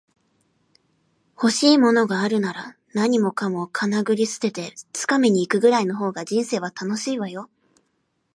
欲しいものがあるなら、何もかもかなぐり捨てて掴みに行くぐらいの方が人生は楽しいわよ